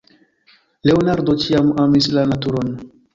Leonardo ĉiam amis la naturon.